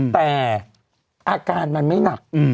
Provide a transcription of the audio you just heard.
แต่อาการมันไม่หนัก